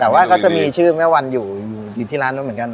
แต่ว่าก็จะมีชื่อแม่วันอยู่ที่ร้านนู้นเหมือนกัน